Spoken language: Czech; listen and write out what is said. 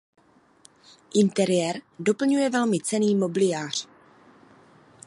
Interiér doplňuje velmi cenný mobiliář.